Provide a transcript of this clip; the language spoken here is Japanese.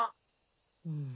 うん。